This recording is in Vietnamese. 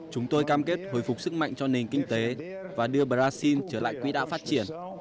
chúng tôi cam kết hồi phục sức mạnh cho nền kinh tế và đưa brazil trở lại quỹ đạo phát triển